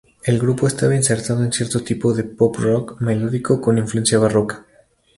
El grupo estaba insertado en cierto tipo de pop-rock melódico con influencia barroca.